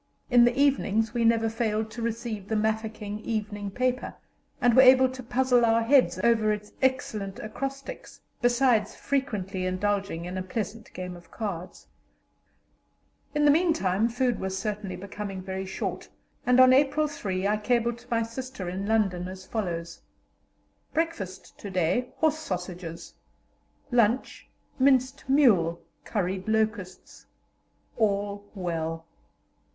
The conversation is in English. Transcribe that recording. In the evenings we never failed to receive the Mafeking evening paper, and were able to puzzle our heads over its excellent acrostics, besides frequently indulging in a pleasant game of cards. In the meantime food was certainly becoming very short, and on April 3 I cabled to my sister in London as follows: "Breakfast to day, horse sausages; lunch, minced mule, curried locusts. All well."